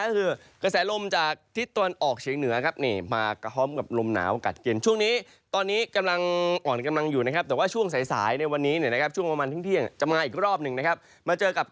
หรือบริเวณเพื่อนที่ตอนกลางประเทศไทยครับ